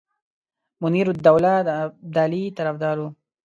منیرالدوله د ابدالي طرفدار وو.